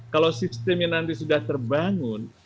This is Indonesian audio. kalau sistem yang nanti sudah terbangun